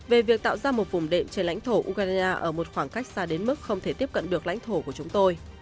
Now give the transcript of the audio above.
về việc tạo ra một vùng đệm trên lãnh thổ ukraine ở một khoảng cách xa đến mức không thể tiếp cận được lãnh thổ của chúng tôi